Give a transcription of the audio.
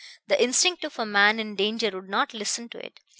The instinct of a man in danger would not listen to it.